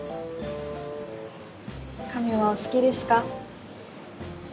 亀はお好きですか？